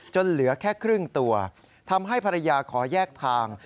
เหลือแค่ครึ่งตัวทำให้ภรรยาขอแยกทาง